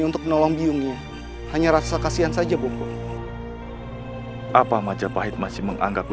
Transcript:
terima kasih atas dasarnya pada kata mengumumkan kami